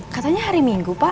katanya hari minggu pak